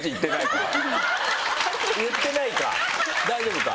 言ってないか大丈夫か。